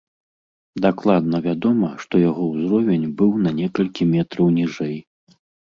Дакладна вядома, што яго ўзровень быў на некалькі метраў ніжэй.